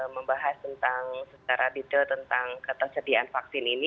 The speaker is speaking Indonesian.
membahas tentang secara detail tentang ketersediaan vaksin ini